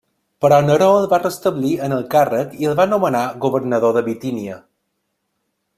Però Neró el va restablir en el càrrec i el va nomenar governador de Bitínia.